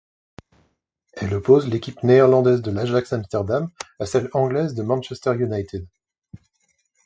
Elle oppose l'équipe néerlandaise de l'Ajax Amsterdam à celle anglaise de Manchester United.